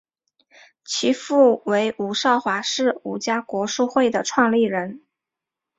其父为伍绍华是伍家国术会的创立人。